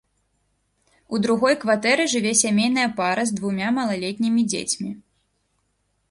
У другой кватэры жыве сямейная пара з двума малалетнімі дзецьмі.